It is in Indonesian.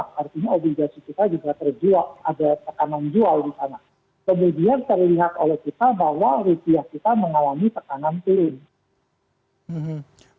kemudian terlihat oleh kita bahwa rupiah kita mengalami tekanan turun